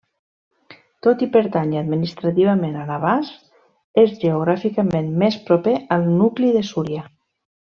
Tot i pertànyer administrativament a Navàs és geogràficament més proper al nucli de Súria.